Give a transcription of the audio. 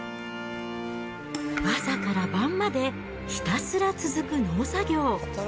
朝から晩まで、ひたすら続く農作業。